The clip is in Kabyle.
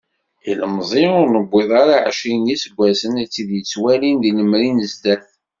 Ilemẓi ur niwiḍ ara ɛecrin n yiseggasen i tt-id-yettwalin di lemri n sdat.